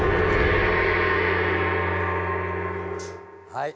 はい。